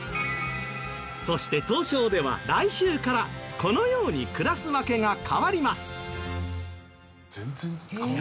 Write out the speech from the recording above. そして東証では来週からこのようにクラス分けが変わります。